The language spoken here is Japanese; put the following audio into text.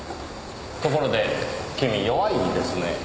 ところで君弱いんですね。